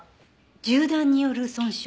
銃弾による損傷？